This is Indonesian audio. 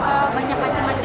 ada banyak macam macamnya